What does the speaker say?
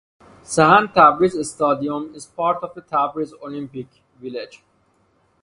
Sahand Tabriz Stadium is part of the Tabriz Olympic Village.